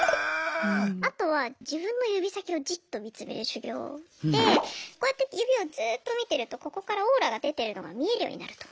あとは自分の指先をじっと見つめる修行でこうやって指をずっと見てるとここからオーラが出てるのが見えるようになると。